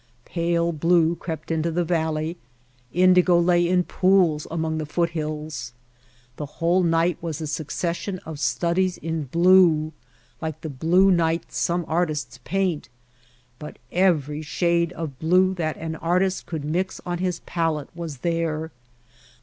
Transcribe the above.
Pale blue crept into the valley, indigo lay in pools among the foothills. The whole night was a succession of studies in blue like the blue nights some artists paint, but every shade of blue that an artist could mix on his palette was there.